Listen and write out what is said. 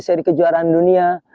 seri kejuaraan dunia